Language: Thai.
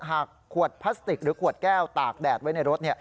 หากขวดพลาสติกหรือขวดแก้วตากแดดไว้ในรถ